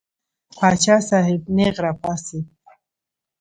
پاچا صاحب نېغ را پاڅېد.